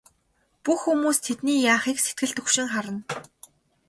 Бүх хүмүүс тэдний яахыг сэтгэл түгшин харна.